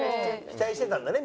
期待してたんだね